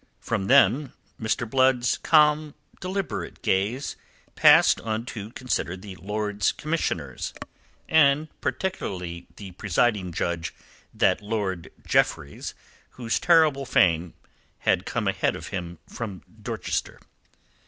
From them Mr. Blood's calm, deliberate glance passed on to consider the Lords Commissioners, and particularly the presiding Judge, that Lord Jeffreys, whose terrible fame had come ahead of him from Dorchester.